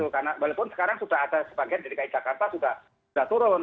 karena walaupun sekarang sudah ada sebagian dari kait jakarta sudah turun